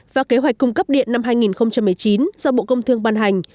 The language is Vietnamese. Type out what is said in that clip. và kế hoạch cung cấp điện năm hai nghìn một mươi chín do bộ công thương ban hành